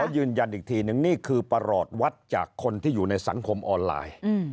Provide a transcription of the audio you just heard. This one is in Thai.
ยืนยันอีกทีนึงนี่คือประหลอดวัดจากคนที่อยู่ในสังคมออนไลน์